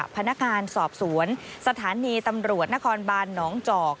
พนักงานสอบสวนสถานีตำรวจนครบานหนองจอก